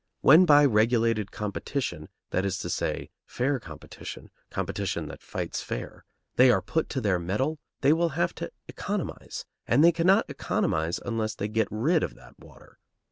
When by regulated competition, that is to say, fair competition, competition that fights fair, they are put upon their mettle, they will have to economize, and they cannot economize unless they get rid of that water.